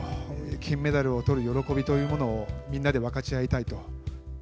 金メダルを取る喜びというものをみんなで分かち合いたいと。